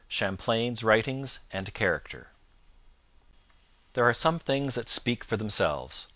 CHAMPLAIN'S WRITINGS AND CHARACTER There are some things that speak for themselves.